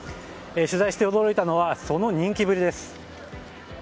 取材して驚いたのはその人気ぶりです。